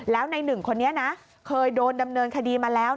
แล้วในหนึ่งคนนี้นะเคยโดนดำเนินคดีมาแล้ว